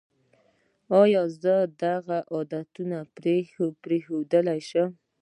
ایا زه دا بد عادتونه پریښودلی شم؟